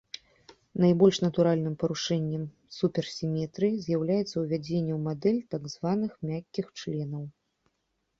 Найбольш натуральным парушэннем суперсіметрыі з'яўляецца ўвядзенне ў мадэль так званых мяккіх членаў.